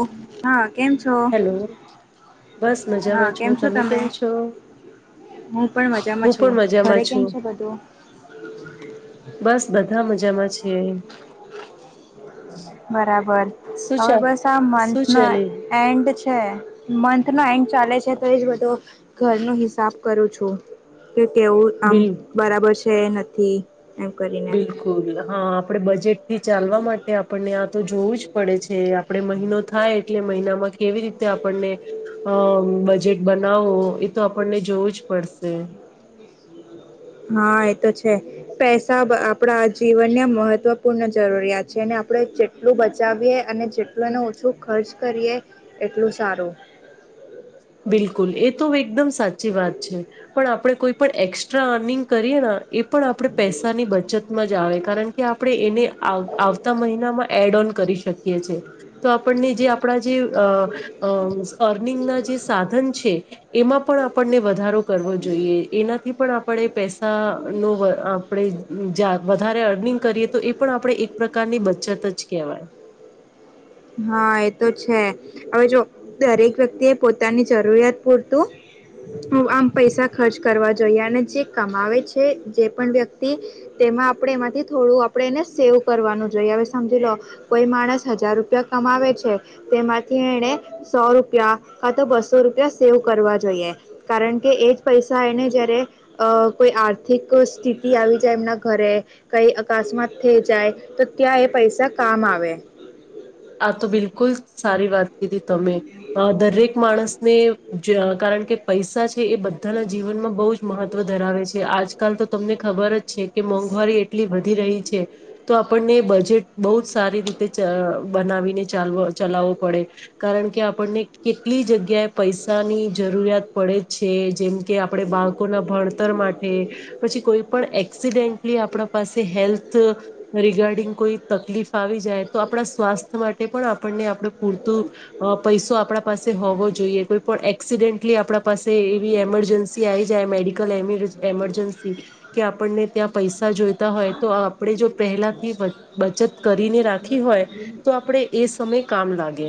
ઓ, હા. કેમ છો હેલો બસ હા મજામાં કેમ છું છો તમે છો હું પણ મજામાં હું છું પણ ઘરે મજામાં કેમ છું છે બધું બસ બધા મજામાં છે બરાબર શું હવે ચાલ બસ આ મંથ શું નો ચાલે એન્ડ છે મંથ એન્ડ ચાલે છે તો એ જ બધો ઘર નો હિસાબ કરું છું કે કેવું આમ બિલ બરાબર છે નથી એમ કરીને બિલકુલ હા આપણે બજેટથી ચાલવા માટે આપણને આ તો જોવું જ પડે છે આપણે મહિનો થાય એટલે મહિનામાં કેવી રીતે આપણને અ બજેટ બનાવવો એ તો આપણને જોવું જ પડશે [inaudible] હા એ તો છે પૈસા આપણા જીવનને મહત્વપૂર્ણ જરૂરિયાત છે અને આપણે જેટલું બચાવીએ અને જેટલુંને ઓછું ખર્ચ કરીએ એટલું સારું [inaudible] બિલકુલ એ તો એકદમ સાચી વાત છે પણ આપણે કોઈ પણ એસ્ટ્રા અર્નિંગ કરીએ એ પણ આપણે પૈસાની બચતમાં જ આવે કારણ કે આપણે એને આવતા મહિનામાં એડ ઓન કરી કરી શકીયે છે તો આપણને જે આપ જે અનિંગ ના જે સાધન છે એમાં પણ આપણને વધારો કરવો જોઈએ એનાથી પણ આપણે પૈસા નો આપણે વધારે અર્નિંગ કરીએ તો એ પણ આપણે એક પ્રકારની બચત જ કેહેવાય વાય હા હા એ તો છે હવે જો દરેક વ્યક્તિ એ પોતાની જરૂરિયાત પૂરતું આમ પૈસા ખર્ચ કરવા જોઈએ અને જે કમાવે છે જે પણ વ્યક્તિ તેમાં આપણે એમાંથી થોડું આપણે એને સેવ કરવાનું જોઈએ હવે સમજી લો કોઈ માણસ હજાર રૂપિયા કમાવે છે તેમાંથી એને સો રૂપિયા કા તો બસો રૂપિયા સેવ કરવા જોઈએ કારણ કે એ જ પૈસા એને જયારે કોઈ આર્થિક સ્થિતિ આવી જાય એમ ઘ કરે કઈ અકસ્માત થઈ જાય તો ત્યાં એ પૈસા કામ આવે આ તો બિલકુલ સારી વાત કીધી તમે દરેક માણસ ને કારણ કે પૈસા છે એ બધાના જીવનમાં બહુ જ મહત્વ ધરાવે છે આજકાલ તો તમને ખબર જ છે કે મોંઘવારી એટલી વધી રહી છે તો આપણને બજેટ બહુ સારી રીતે ચ બનાવીને ચ ચલાવવો પડે કારણ કે આપણને કેટલી જગ્યાએ પૈસાની જરૂરિયાત પડે છે જેમ કે આપણે બાળકોના ભણતર માટે પછી કોઈ પણ એ એક્સિડેન્ટલી આપણા પાસે હેલ્થ રિગાર્ડિંગ કોઈ તકલીફ આવી જાય તો આપણા સ્વાસ્થ્ય માટે પણ આપણને આપડ પૂરતું પૈસો આપણા પાસે હોવો જોઈએ કોઈ પણ એક્સ ડેંટલી આપડા પાસે એવી એમરજન્સી આવી જાય મેડિકલ એમરજન્સી કે આપણને ત્યાં પૈસા જોઈતા હોય તો આપણેે જો પહેલાથી બચત કરીને રાખી હોય તો આપણેે એ સમય કામ લાગે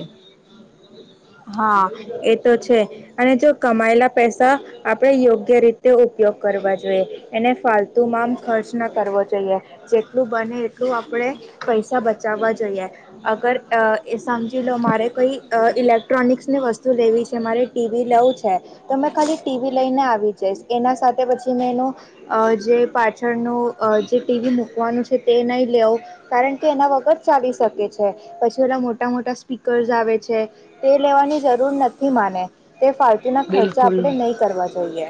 હા એ તો છે અને જો કમાયેલા પૈસા આપડે યોગ્ય રીતે ઉપયોગ કરવા જોઈએ એને ફાલતુ મામ ખર્ચ ન કરવો જોઈએ જેટલું બને એટલું આપણે પૈસા બચાવવા જોઈએ અગર એ સમજી લો મારે કોઈ ઇલેક્ટ ટેક્ટ્રોનિક્સની વસ્તુ લેવી છે મારે ટીવી લેવું છે તો મે ખાલી ટીવી લઈને આવી જઈ એના સાથે તે પછી મેં એનો જે પાછળનું જે ટીવી મૂકવાનું છે તે નહીં લેઉં કારણ કે એના વગર ચાલી શકે છે પછી ઓના મોટા મોટા સ્પીકર્સ આવે છે તે લેવાની જરૂર નથી મને તેના ખર્ચા બિલકુલ આપણે નહીં કરવા જોઈએ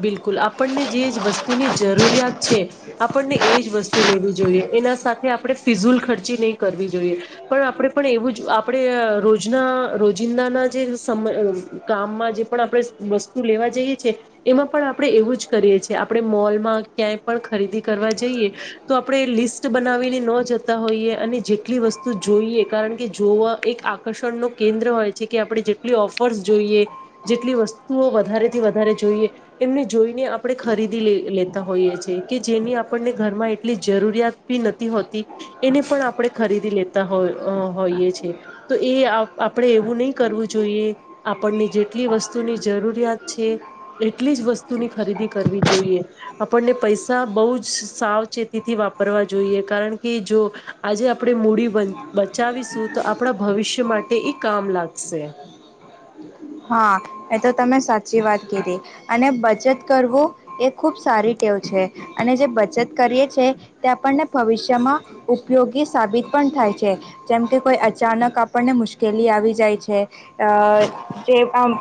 બિલકુલ આપણને જે જ વસ્તુની જરૂરિયાત છે આપણને એજ વસ્તુ લેવી જોએ એના સાથે આપણે ફિઝુલ ખર્ચી નહી કરવી જોઈએ પણ આપણે પણ એવું જ આપણે ર રોજ ના રોજિંદા જે સમ કામ મા જે પણ આપડે વસ્તુ લેવા જઈએ છીએ એમાં પણ આપણે એવું જ કરીએ છીએ આપણે મોલમાં કાય પણ ખરીદી કરવા જઈએ તો આપણે લિસ્ટ બનાવીને નો જતા હોઈએ અને જેટલી વસ્તુ જોઈએ કારણ કે જોવા એક આકર્ષણ નો કેન્દ્ર હોય છે કે આપણે જેટલી ઓફર્સ જોઈએ જેટલી વસ્તુઓ વધારે થી વધારે જોઈએ એમને જોઈને આપણે ખરીદી લેતા હોઈએ છએ કે જેની આપણને ઘરમાં એટલી જરૂરિયાતી નથી હોતી એને પણ આપણે ખરીદી લેતા હો હોઈએ છે તો એ આપણે એવું નહી કરવું જોઈએ આપણને જે જેટલી વસ્તુની જરૂરિયાત છે એટલી જ વસ્તુની ખરીદી કરવી જોઈએ આપને પ પૈસા બોહ જ સાવચેતીથી વાપરવા જોઈએ કારણ કે જો આજે આપડે મૂડી બ બચાવીશું તો આપણા ભવિષ્ય માટે ઈ કામ લાગશે [inaudible] હા એ તો તમે સાચી વાત કીધી અને બચત કરવું એ ખૂબ સારી ટેવ છે અને જે બચત કરીએ છે તે આપણને ભવિષ્યમાં ઉપયોગી સાબિત પણ થાય છે છે જેમકે કોઈ અચાનક આપણને મુશ્કેલી આવી જાય છે અ જે આમ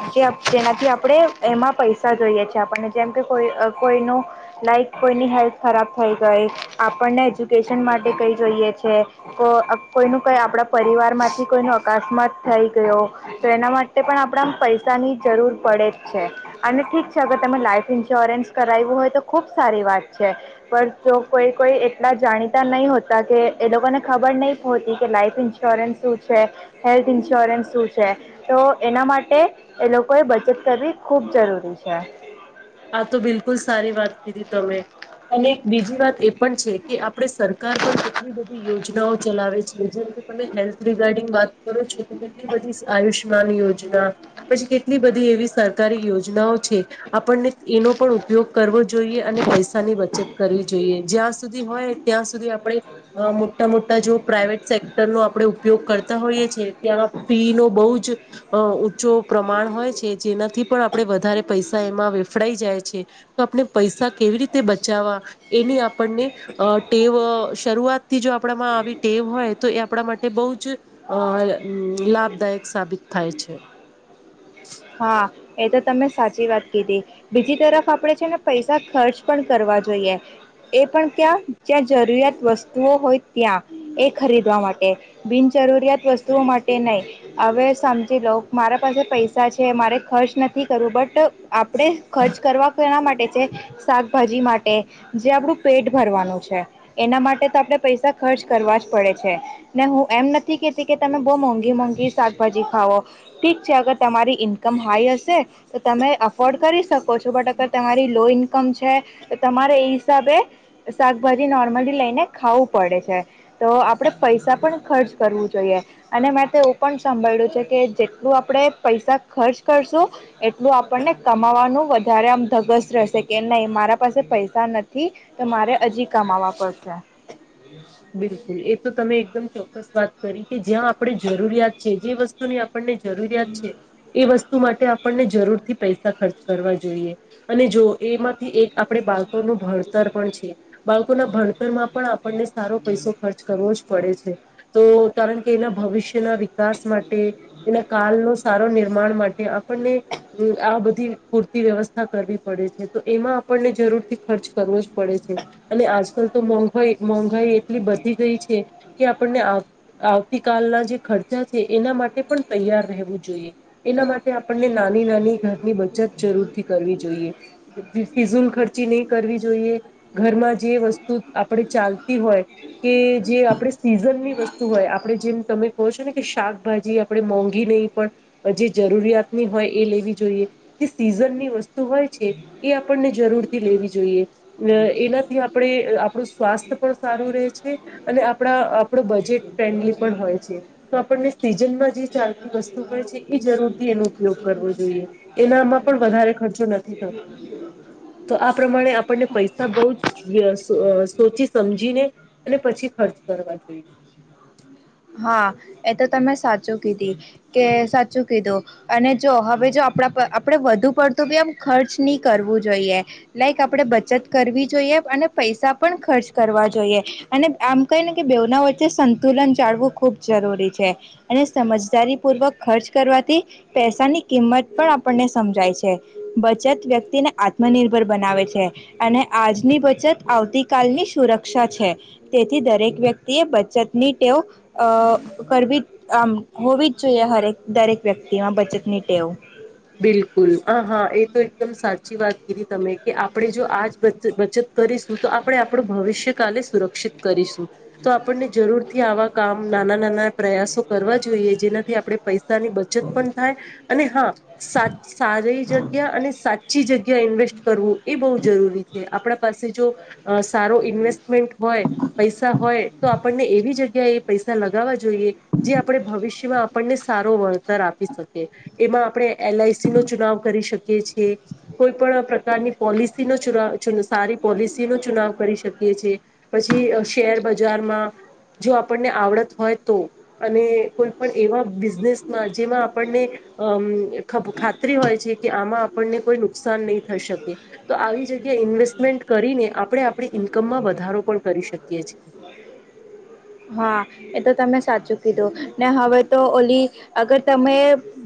જેનાથી આપણે એમાં પૈસા જોઈએ છેીએ આપણને જેમ કે કોઈ કોઈનું લાઈક કોઈની હેલ્થ ખરાબ થઈ ગઈ આપણને એજ્યુકેશન માટે કઈ જોઈએ છે કોઈનું કઈ આપણા પરિવારમાંથી કોઈનો અકાસ્માત થઈ ગયો તો એના માટે પણ આપણા પૈસાની જરૂર પડે જ છે અને ઠીક છે અગર તમે લાઈફ ઇન્સ્યોરન્સ કરાવું હોય તો ખુ ખૂબ સારી વાત છે પણ જો કોઈ કોઈ એટલા જાણીતા નહીં હોતા કે એ લોકોને ખબર નહી હોતી કે લાઈઇફ ન્શ્યોરન્સ સુું છે હેલ્થ ઇશ્યોરન્સ શું છે તો એના માટે એ લોકોએ બચત કરવી ખૂબ જરૂરી છે આ તો બિલકુલ સારી વાત કીધી તમે અને બીજી વાત એ પણ છે કે આ આપણે સરકાર પણ કેટલી બધી યોજનાઓ ચલાવે છે જે અ તમે હેલ્થ રિગાર્ડિંગ વાત બ છે કેટલી બધી આયુષ્ય માવી યોજના પછી કેટલી બધી એવી સરકારી યોજનાઓ છે આપણને એનો પણ ઉપયોગ કરવો જોઈએ અને પૈસાની બચત કરવી જોઈએ જ્યાં સુધી હોય ત્યાં સુધી આપણે મોટા મોટા જો પ્રાઇવેટ સેક્ટર નો આપડે ઉપયોગ કરતા હોઈએ છે ત્યાં ફી નો બહુ જ ઊંચો પ્રમાણ હોય છે જેનાથી પણ આપડે વધારે પૈસા એમાં અફડાઈ જાય છે તો આપણે પૈસા કેવી રીતે બચાવવા એની આપણને ટેવ શરૂઆતથી જો આપણા આવી ટેવ હોય તો એ આપણા માટે બહુ જ લાભ લાભદાયક સાબિત થાય છે હા, એ તો તમે સાચી વાત કીધી બીજી તરફ આપણે છે ને પૈસા ખર્ચ પણ કરવા એ પણ ક્યાં જ્યાં જરૂરિયાત વસ્તુઓ હોય ત્યાં એ ખરીદવા માટે બિનજરૂરિયાત વસ્તુઓ માટે નહીં હવે સમજી લો મારા પાસે પૈસા છે મારે ખર્ચ નથી કરવું, બટ આપણેે ખર્ચ કરવા એના માટે છે શાકભાજી માટે જે આપડું પેટ ભરવાનું છે, એના માટે તો આપણે પૈસા ખર્ચ કરવા જ પડે છે ને હું એમ નથી કેતી કે તમે બહુ મોંઘી, મોંઘી, શાકભાજી ખાવો ઠીક છે અગર તમારી ઈન્કમ હાઈ હશે તો તમે એફોર્ડ કરી શકો છો, બટ અગર તમારી લો ઇન્કમ છે તમારે એ હિસાબે શાકભાજી નોર્મલી લઈને ખાવું પડે છે તો આપણે પૈસા પણ ખર્ચ કરવું જોઈએ અને મેં તો એવું પણ સાંભળ્યું છે કે જેટલું આપણે પૈસા ખર્ચ કરશો એટલે આપ આપણને કમાવાનું વધારે આમ ધગસ રહેશે કે નહીં મારા પાસે પૈસા નથી તો મારે હજુ કમાવા પડશે બિલકુલ એ તો તમે એકદમ ચોક્કસ વાત કરી કે જ્યાં આપણે જરૂરિયાત છે જે વસ્તુને આપણને જરૂરિયા છે એ વસ્તુ માટે આપણને જરૂરથી પૈસા ખર્ચ કરવા જોઈએ અને જો એમાંથી એક આપણે બાળ ન ભણતર પણ છે બાળકો ના ભણતર માં પણ આપણને સારો પૈસો ખર્ચ કરવો પડે છે તો કારણ કે એના ભવિષ્યના વિકાસ માટે એના કાલનો સારો નિર પ્રણ માટે આપણને આ બધી પૂરતી વ્યવસ્થા કરવી પડે છે તો એમાં આપણને થી ખર્ચ કરવો જ પડે છે અને આજકાલ તો મોઘ એટલી વધી ગઈ છે કે આપણને આવતીકાલના જે ખર્ચા છે એના માટે પણ તૈયાર રહેવું જોઈએ એના માટે આપણને નાની નાની ઘરની બચત જરૂર થી કરવી જોઈએ ફિઝુલ ખર્ચી નહી કરવી જોઈએ, ઘરમાં જે વસ્તુ આપણેે ચાલ હોય કે જે આપણે સીઝન ની વસ્તુ હોય આપણે જેમ તમે કહો છો ને કે શાકભાજી આપે મોંઘી નહી પણ જે જરૂરિયાતની હોય એ લેવી જોઈએ જે સીઝનની વસ્તુ હોય છીયે એ આપણને જરૂરથી લેવી જોઈએ એનાથી આપણે આપણું સ્વાસ્થ્ય પણ સારું રહે છે અને આપણા આપણે બજેટ ફ્રેન્ડલી પણ હોય છે તો આપણને સીઝનમાં ચાલતી વસ્તુ હોય છે એ જરૂર થી એનો ઉપયોગ કરવો જોઈએ એનામાં પણ વધારે ખર્ચો નથી થતો [inaudible] તો આ પ્રમાણે આપણને પૈસા બહુ જ સોચી સમ જીને અને પછી ખર્ચ કરવા જોઈએ. હા એ તો તમે સાચું કીધી કે સાચું કીધું અને જો હવે જો આપ આપણેે વધુ પડતું બી એમ ખર્ચ નહી કરવું જોઈએ લાઈક આપણે બચત કરવી જોઈએ અને પૈસા પણ ખર્ચ કરવા જોઈએ અને આમ કહીને કે બેવના વચ્ચે સંતુલન જાળવું ખૂબ જરૂરી છે અને સમજદારીપૂર્વક ખર્ચ કરવાથી પૈસાની કિંમત પણ આપણને સમજાય છે બચત વ્યક્તિને આત્મનિર્ભર બનાવે છે અને આજની બચત આવતીકાલની સુરક્ષા છે તેથી દરેક વ્યક્તિ એ બચતની ટેવ અ કરવી જ આમ હોવી જ જોઈએ હરેક દરેક વ્યક્તિમાં બચત ની ટેવ બિલકુલ હ હા એ તો એકદમ સાચી વાત કીધી તમે કે આપણે જો આજ બચત કરીશું તો આપણે આપણું ભવિષ્ય કાલે સુરક્ષિત કરીશું તો આપણને જરૂર થી આવા કામ નાના નાના પ્રયાસો કરવા જોઈએ જેનાથી આપણે પૈસાની બચત પણ થાય અને હા સા ચસારી જગ્યા અને સાચી જગ્યા ઇન્વેસ્ટ કરવું એ બહુ જરૂરી છે આપણા પાસે તો ઇવેસ્ટમેન્ટ હોય પૈસા હોય તો આપને એવી જગ્યા પૈસા લગાવવા જોઈએ જે આપણે ભવિષ્યમાં આપણને સારો વળતર આપી શકી એમાં આપણે એલઆઈસી નો ચુનાવ કરી શકીએ છેએ કોઈ પણ પ્રકારની પોલિસી નો ચુ સારી પોલિસી નો ચુનાવ કરી શકી છે પછી શેર બજારમાં જો આપણને આવડત હોય તો અને કોઈ પણ એવા બિઝનેસમાં જેમાં આપણને અમ ખ ખાતરી હોય છે કે આમા આપણને કોઈ નુકસાન નહીં થઈ શકે તો આવી જગ્યાએ ઇન્વેસ્ટમેન્ટ કરીને આપણે આપણી ઈન્કમમા વધારો પણ કરી શકીએ છીએ [inaudible] હા એ તો તમે સાચું કીધુ ને હવે તો ઓલી અગર તમે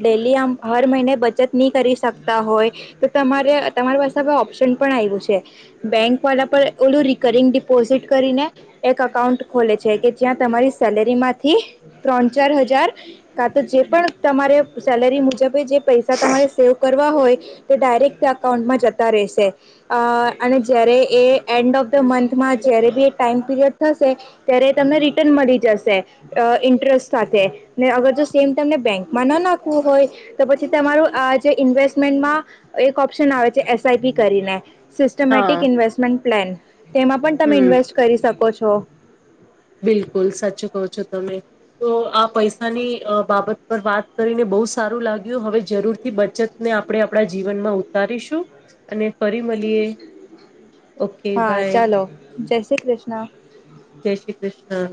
ડેલી હર મહિને બચત ની કરી શકતા હોય તો તમારે તમારી પાસે ઓપ્શન પણ આવ્યું છે બેંક વાળા પર ઓલુ રિકરિંગ ડિપોઝિટ કરીને એક અકાઉન્ટ ખોલે છે કે- જ્યાં તમારી સેલેરીમાંથી ત્રણ ચાર હજાર કા તો જે પણ તમારે સેલેરી મુજબ જે પૈસા તમારે સેવ કરવા હોય તે ડાયરેક્ટ અકાઉન્ટમા જતા રહેશે અ- અને જ્યારે એ એન્ડ ઓફ ધ મંથમા જ્યારે બી એ ટાઈમ પીરિયડ થશે ત્યારે તમને રી ટન મળી જશે અ ઇન્ટરેસ્ટ સાથે ને અગર જો સેમ તમને બેંકમા ન નાખવુ હોય તો પછી તમારું આ જે ઇન્વેસ્ટમેન્ટમા એક ઓપ્શન આવે છે એસઆઈપી કરીને સિસ્ટમેટિક હા ઇન્વેસ્ટમેન્ટ પ્લેન તેમા પણ તમે હમ ઇન્વેસ્ટ કરી શકો છો બિલકુલ સાચુ કહો છો તમે તો આ પૈસાની અ બાબત પર વાત કરીને બહુ સારું લાગ્યુહવે જરૂર થી બચતને આપણે આપણા જીવનમા ઉતારીશુ અને ફરી મલીએ હા ચાલો જય શ્રી કૃષ્ણ જય શ્રી કૃષ્ણ